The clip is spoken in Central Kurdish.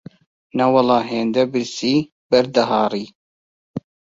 نەوەڵڵا هێندە برسی بەرد دەهاڕی